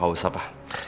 gak usah pak